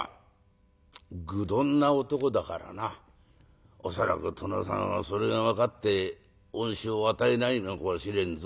「愚鈍な男だからな恐らく殿様はそれが分かって恩賞を与えないのかもしれんぞ」。